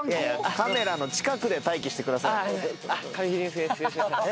カメラの近くで待機してください。